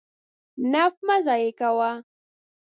نفت مه ضایع کوه.